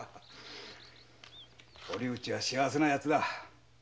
堀内は幸せなヤツだ。